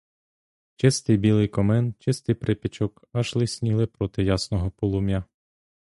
Чистий білий комин, чистий припічок аж лисніли проти ясного полум'я.